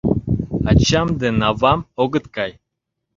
Ачам ден авам огыт кай.